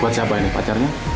buat siapa ini pacarnya